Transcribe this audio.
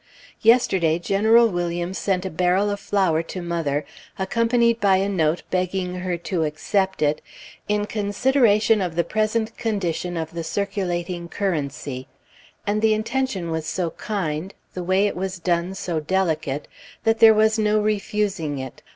Yesterday General Williams sent a barrel of flour to mother, accompanied by a note begging her to accept it "in consideration of the present condition of the circulating currency," and the intention was so kind, the way it was done so delicate, that there was no refusing it.